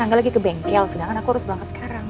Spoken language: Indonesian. angga lagi ke bengkel sedangkan aku harus berangkat sekarang